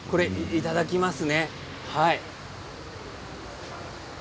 いただきますね。